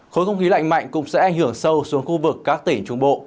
khối không khí lạnh mạnh cũng sẽ ảnh hưởng sâu xuống khu vực các tỉnh trung bộ